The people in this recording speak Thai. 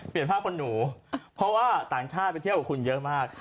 ภาพคนหนูเพราะว่าต่างชาติไปเที่ยวกับคุณเยอะมาก